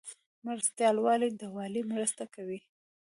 مرستیال والی د والی مرسته کوي